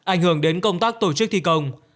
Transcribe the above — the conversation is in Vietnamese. ảnh hưởng đến công tác tổ chức thi công